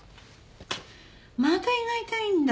また胃が痛いんだ。